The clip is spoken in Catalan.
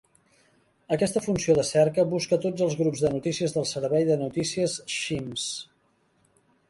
Aquesta funció de cerca busca tots els grups de notícies del servei de notícies Shemes.